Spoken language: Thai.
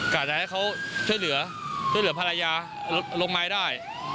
กะจะให้เขาช่วยเหลือภรรยาลงไม้ได้